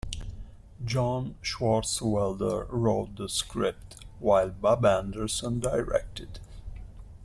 John Swartzwelder wrote the script, while Bob Anderson directed.